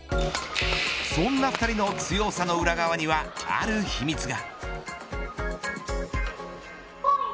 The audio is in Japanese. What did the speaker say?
そんな２人の強さの裏側にはある秘密が。